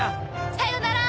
さようなら！